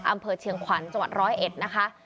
อำเภอเชียงขวัญจังหวัด๑๐๑นะคะ